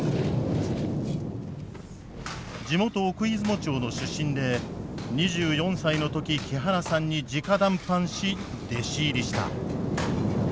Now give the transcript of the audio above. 地元奥出雲町の出身で２４歳の時木原さんにじか談判し弟子入りした。